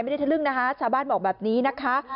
ทะลึ่งนะคะชาวบ้านบอกแบบนี้นะคะ